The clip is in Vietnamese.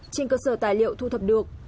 trên cơ sở tài liệu thu thập được